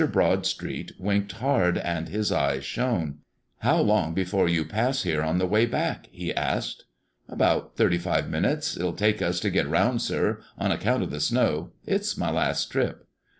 Broadstreet winked hard, and his eyes shone. "How long before you pass here on the way back?" he asked. "About thirty five minutes it'll take us to get round, sir, on account of the snow. It's my last trip."